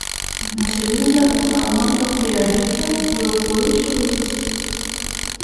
Na segunda o Salamanca foi arriba e o Coruxo resistiu.